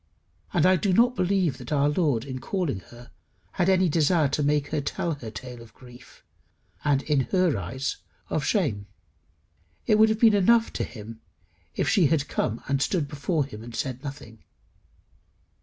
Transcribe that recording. And I do not believe that our Lord in calling her had any desire to make her tell her tale of grief, and, in her eyes, of shame. It would have been enough to him if she had come and stood before him, and said nothing.